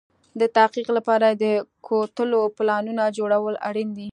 د تحقق لپاره يې د کوټلو پلانونو جوړول اړين دي.